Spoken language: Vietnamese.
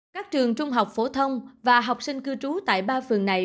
các trường trung học phổ thông và học sinh cư trú tại ba phường này